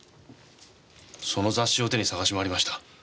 その雑誌を手に捜し回りました。